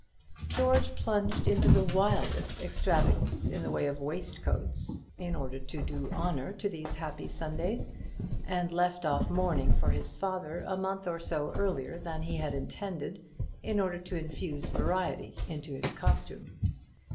George plunged into the wildest extravagance in the way of waistcoats, in order to do honour to these happy Sundays; and left off mourning for his father a month or so earlier than he had intended, in order to infuse variety into his costume.